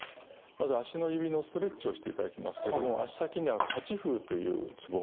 まず足の指のストレッチをしていただきますけども足先には八風というツボがありますね。